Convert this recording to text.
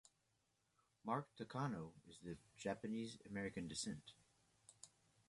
Mark Takano is of Japanese-American descent.